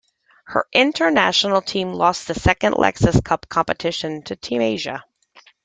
Her International team lost the second Lexus Cup competition to Team Asia.